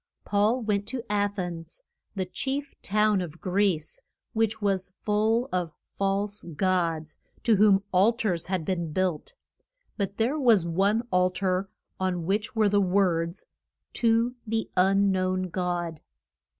Paul went to A thens, the chief town of Greece, which was full of false gods, to whom al tars had been built. But there was one al tar on which were the words, TO THE UN KNOWN GOD.